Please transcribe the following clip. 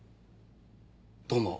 どうも。